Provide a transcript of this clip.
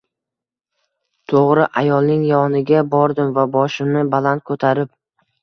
To`g`ri ayolning yoniga bordim va boshimni baland ko`tarib